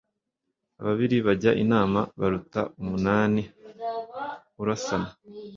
Ababiri bajya inama baruta umunani urasana.